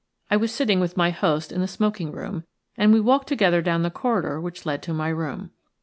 I was sitting with my host in the smoking room, and we walked together down the corridor which led to my room.